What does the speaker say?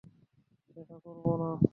সেটা করব না।